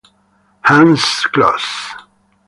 Hans Kloss